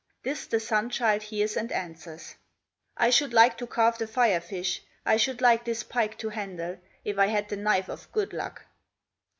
This the Sun child hears and answers: "I should like to carve the Fire fish, I should like this pike to handle, If I had the knife of good luck."